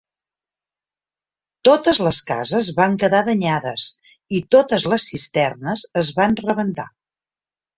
Totes les cases van quedar danyades i totes les cisternes es van rebentar.